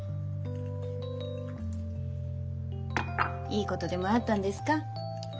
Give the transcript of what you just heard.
いいことでもあったんですか？